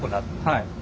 はい。